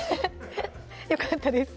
よかったです